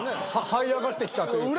はい上がってきたというか。